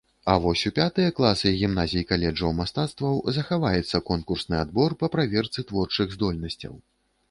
А вось у пятыя класы гімназій-каледжаў мастацтваў захаваецца конкурсны адбор па праверцы творчых здольнасцяў.